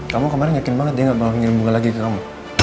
kamu kemarin yakin banget dia gak mau nyari bunga lagi ke kamu